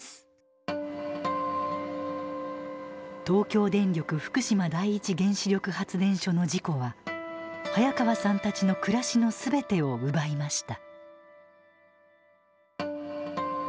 東京電力福島第一原子力発電所の事故は早川さんたちの暮らしの全てを奪いました。